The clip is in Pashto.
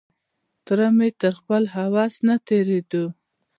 تره مې تر خپل هوس نه تېرېدو.